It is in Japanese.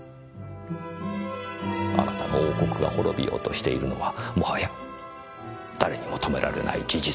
あなたの王国が滅びようとしているのはもはや誰にも止められない事実かもしれません。